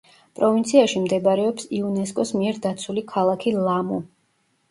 პროვინციაში მდებარეობს იუნესკოს მიერ დაცული ქალაქი ლამუ.